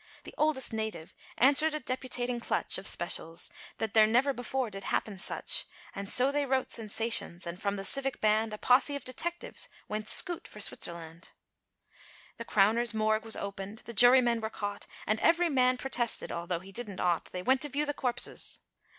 The oldest native, answered a deputating clutch Of specials, that there never before did happen such, And so they wrote sensations, and from the civic band, A posse of detectives, went scoot for Switzerland. The crowner's Morgue was opened, the jurymen were caught, And every man protested, although he didn't ought, They went to view the corpses.